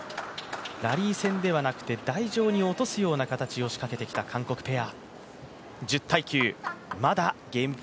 ラリー戦ではなくて台上に落とすような形を仕掛けてきた韓国ペア。